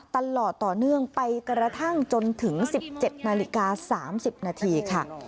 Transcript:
ตลอดต่อเนื่องไปกระทั่งจนถึง๑๗นาฬิกา๓๐นาทีค่ะ